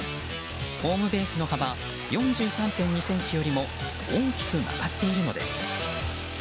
ホームベースの幅４３．２ｃｍよりも大きく曲がっているのです。